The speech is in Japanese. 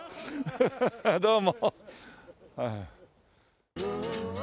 ハハハどうも。